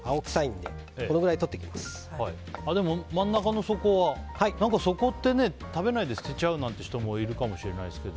でも、真ん中のそこは食べないで捨てちゃうなんて人もいるかもしれないですけど。